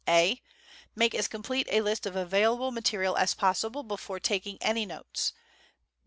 A. Make as complete a list of available material as possible before taking any notes.